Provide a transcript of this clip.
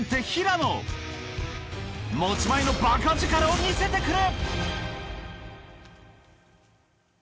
持ち前のバカ力を見せてくれ！